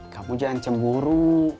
kamu jangan cemburu